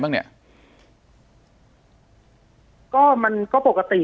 ปากกับภาคภูมิ